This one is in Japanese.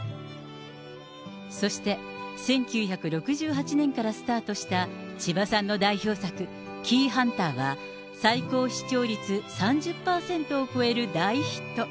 そして、１９６８年からスタートした千葉さんの代表作、キイハンターは、最高視聴率３０％を超える大ヒット。